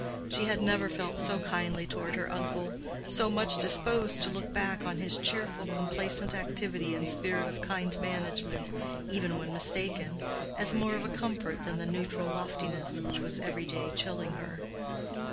She had never felt so kindly toward her uncle, so much disposed to look back on his cheerful, complacent activity and spirit of kind management, even when mistaken, as more of a comfort than the neutral loftiness which was every day chilling her.